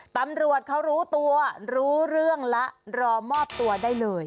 ตำรวจเขารู้ตัวรู้เรื่องแล้วรอมอบตัวได้เลย